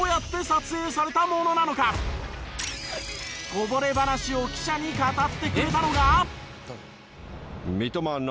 こぼれ話を記者に語ってくれたのが。